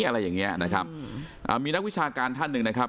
อะไรอย่างเงี้ยนะครับอ่ามีนักวิชาการท่านหนึ่งนะครับ